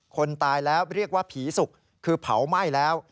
คนตายแล้วเรียกว่าผีสุกคือเผาไหม้แล้ว